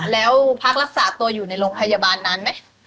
แล้วพักรักษาตัวอยู่ในโรงพยาบาลนั้นไหม